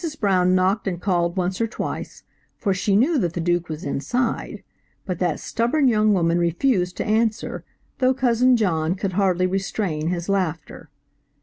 Brown knocked and called once or twice, for she knew that the Duke was inside; but that stubborn young woman refused to answer, though Cousin John could hardly restrain his laughter.